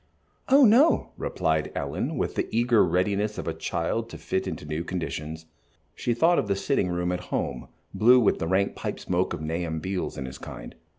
"Oh, no," replied Ellen, with the eager readiness of a child to fit into new conditions. She thought of the sitting room at home, blue with the rank pipe smoke of Nahum Beals and his kind.